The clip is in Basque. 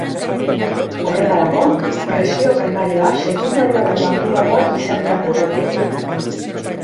Horretarako, presio primarioa sekundarioa baino handiagoa izan behar du beti.